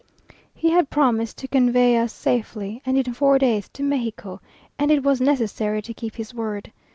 He had promised to convey us safely, and in four days, to Mexico, and it was necessary to keep his word.